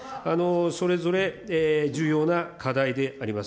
それぞれ重要な課題であります。